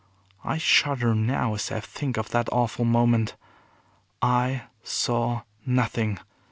I shudder now as I think of that awful moment. I saw nothing!